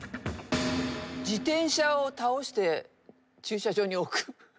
自転車を倒して駐車場に置く。